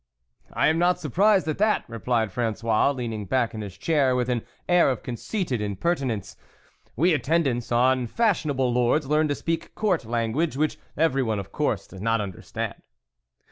" I am not surprised at that," replied Frangois, leaning back in his chair with an air of conceited impertinence, " we atten dants on fashionable lords learn to speak court language, which everyone of course does not understand."